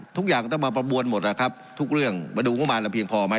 ทุกอย่างต้องมาประบวนหมดนะครับทุกเรื่องมาดูงบมารเราเพียงพอไหม